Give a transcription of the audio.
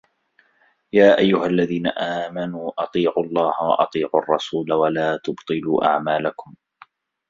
يا أَيُّهَا الَّذينَ آمَنوا أَطيعُوا اللَّهَ وَأَطيعُوا الرَّسولَ وَلا تُبطِلوا أَعمالَكُم